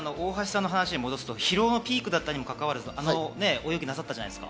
大橋選手の話に戻すと、疲労がピークだったにもかかわらず、あの泳ぎをなさった。